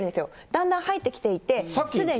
だんだん入ってきていて、すでに。